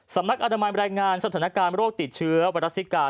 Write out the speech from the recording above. สำนักอัตโนมัยแบรนด์งานสถานการณ์โรคติดเชื้อวาลัสซิกา